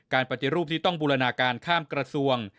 ปฏิรูปที่ต้องบูรณาการข้ามกระทรวง